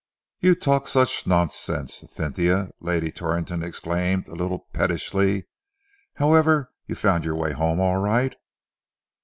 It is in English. "You talk such nonsense, Cynthia!" Lady Torrington exclaimed, a little pettishly. "However, you found your way home all right?"